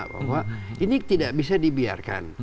bahwa ini tidak bisa dibiarkan